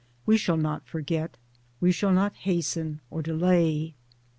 we shall not forget, we will not hasten or delay.